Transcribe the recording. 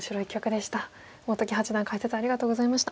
本木八段解説ありがとうございました。